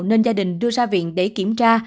nên gia đình đưa ra viện để kiểm tra